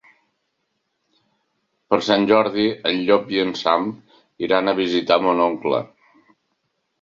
Per Sant Jordi en Llop i en Sam iran a visitar mon oncle.